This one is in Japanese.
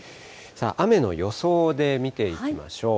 雨の予想で見ていきましょう。